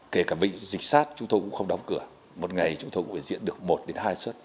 kể cả bệnh dịch sát chúng tôi cũng không đóng cửa một ngày chúng tôi cũng phải diễn được một đến hai suất